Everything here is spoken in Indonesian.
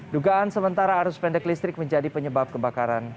dugaan sementara arus pendek listrik menjadi penyebab kebakaran